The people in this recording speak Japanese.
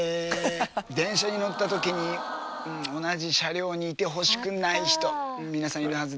電車に乗ったときにん同じ車両にいてほしくない人ん皆さんいるはずです。